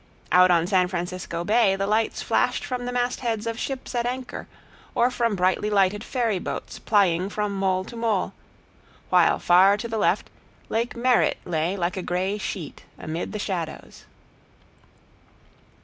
Out on San Francisco Bay the lights flashed from the mastheads of ships at anchor or from brightly lighted ferryboats plying from mole to mole, while far to the left, Lake Merritt lay like a gray sheet amid the shadows.